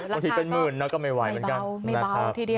อาทิตย์เป็นหมื่นเนอะก็ไม่ไหวเหมือนกัน